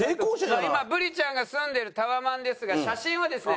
今ブリちゃんが住んでるタワマンですが写真はですね